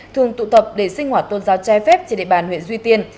thường tụ tập để sinh hoạt tôn giáo trai phép trên địa bàn huyện duy tiên